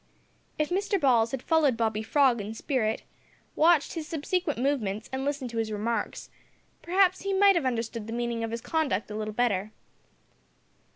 If Mr Balls had followed Bobby Frog in spirit, watched his subsequent movements, and listened to his remarks, perhaps he might have understood the meaning of his conduct a little better.